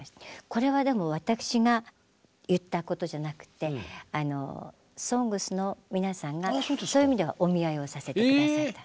これは私が言ったことじゃなくて「ＳＯＮＧＳ」の皆さんがそういう意味ではお見合いをさせて下さった。